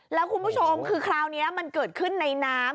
แล้วคุณผู้ชมคือคราวนี้มันเกิดขึ้นในน้ำ